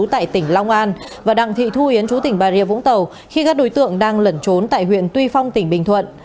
tại tỉnh long an và đặng thị thu yến chú tỉnh bà rịa vũng tàu khi các đối tượng đang lẩn trốn tại huyện tuy phong tỉnh bình thuận